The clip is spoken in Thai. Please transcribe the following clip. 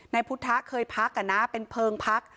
นายพุทธะเคยพักเป็นเพลิงพัก